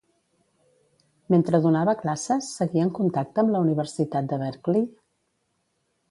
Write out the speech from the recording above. Mentre donava classes seguia en contacte amb la universitat de Berkeley?